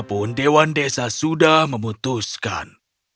walaupun dewan desa sudah memutuskan